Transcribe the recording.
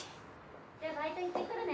じゃあバイト行ってくるね。